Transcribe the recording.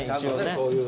そういう。